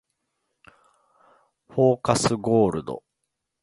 フォーカスゴールド